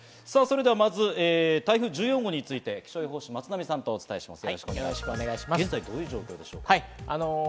俺、生クリーム、ゾワっとすそれでは、まず台風１４号について、気象予報士・松並さんとお伝えします。